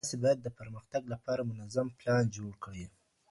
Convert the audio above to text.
تاسي بايد د پرمختګ لپاره منظم پلان جوړ کړئ.